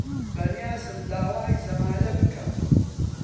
بەنیازم داوای زەمالە بکەم.